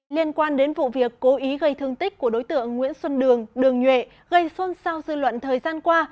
liên quan đến vụ việc cố ý gây thương tích của đối tượng nguyễn xuân đường đường nhuệ gây xôn xao dư luận thời gian qua